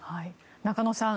中野さん